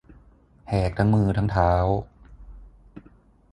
แหกทั้งมือทั้งเท้า